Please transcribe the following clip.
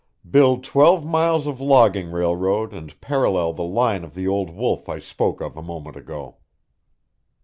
"Build twelve miles of logging railroad and parallel the line of the old wolf I spoke of a moment ago."